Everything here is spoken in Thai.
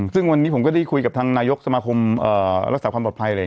ซึ่งวันนี้ผมได้คุยกับทางนายกสมาหกรุงระสาคความปลอดภัย